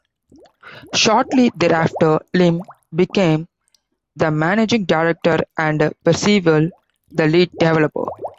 Shortly thereafter, Limm became the managing director and Percival the lead developer.